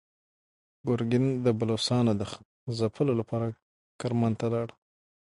ګورګین د بلوڅانو د ځپلو لپاره کرمان ته لاړ.